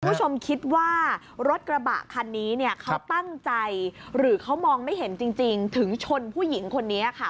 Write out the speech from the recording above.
คุณผู้ชมคิดว่ารถกระบะคันนี้เนี่ยเขาตั้งใจหรือเขามองไม่เห็นจริงถึงชนผู้หญิงคนนี้ค่ะ